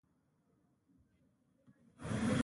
کليوالو ورته وکتل.